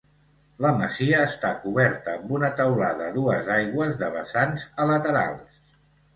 La masia està coberta amb una teulada a dues aigües de vessants a laterals.